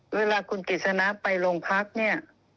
เวลาคุณกฤษณะไปโรงพักเนี่ย